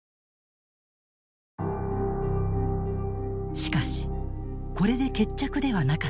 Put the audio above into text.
しかしこれで決着ではなかった。